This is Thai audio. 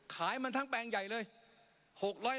ขายมันทั้งแปลงใหญ่เลย